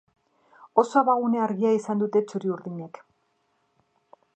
Oso abagune argia izan dute txuri-urdinek.